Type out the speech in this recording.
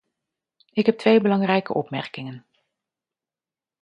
Ik heb twee belangrijke opmerkingen.